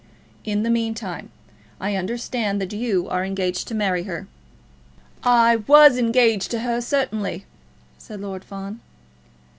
In the meantime, I understand that you are engaged to marry her?" "I was engaged to her, certainly," said Lord Fawn.